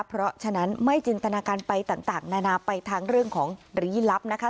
เพราะฉะนั้นไม่จินตนาการไปต่างนานาไปทางเรื่องของรีลับนะคะ